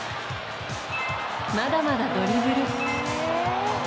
まだまだドリブル。